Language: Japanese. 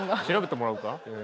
調べてもらおうか？